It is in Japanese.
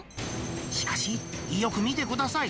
しかし、よく見てください。